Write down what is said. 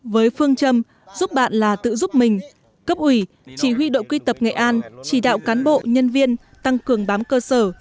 với phương châm giúp bạn là tự giúp mình cấp ủy chỉ huy đội quy tập nghệ an chỉ đạo cán bộ nhân viên tăng cường bám cơ sở